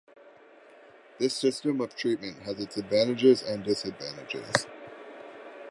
This system of treatment has its advantages and disadvantages.